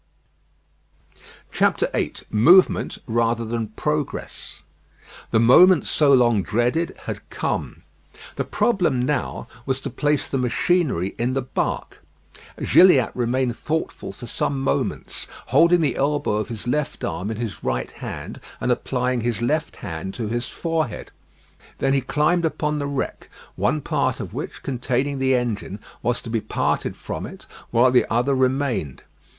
VIII MOVEMENT RATHER THAN PROGRESS The moment so long dreaded had come. The problem now was to place the machinery in the bark. Gilliatt remained thoughtful for some moments, holding the elbow of his left arm in his right hand, and applying his left hand to his forehead. Then he climbed upon the wreck, one part of which, containing the engine, was to be parted from it, while the other remained.